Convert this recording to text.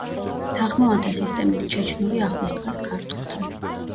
თანხმოვანთა სისტემით ჩეჩნური ახლოს დგას ქართულთან.